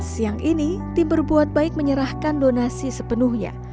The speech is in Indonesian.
siang ini tim berbuat baik menyerahkan donasi sepenuhnya